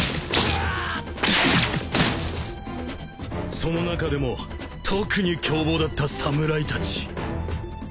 その中でも特に凶暴だった侍たち。